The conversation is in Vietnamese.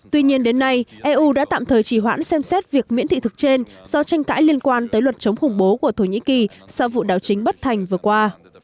tuy nhiên đến nay eu đã tạm thời chỉ hoãn xem xét việc miễn thị thực trên do tranh cãi liên quan tới luật chống khủng bố của thổ nhĩ kỳ sau vụ đảo chính bất thành vừa qua